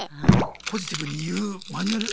ポジティブに言うマニュアル。